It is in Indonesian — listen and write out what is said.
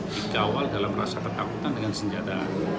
dikawal dalam rasa ketakutan dengan senjata